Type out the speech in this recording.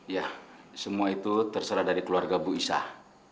ya semua itu terserah dari keluarga bu isah